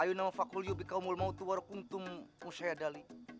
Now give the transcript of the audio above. ayunamu faquliu biqaumul mautu warukuntum musyadali